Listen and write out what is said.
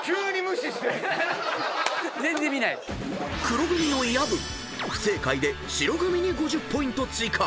［黒組の薮不正解で白組に５０ポイント追加］